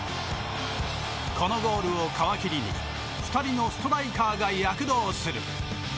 このゴールを皮切りに２人のストライカーが躍動する。